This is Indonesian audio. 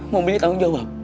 mobilnya tanggung jawab